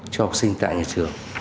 cho học sinh tại nhà trường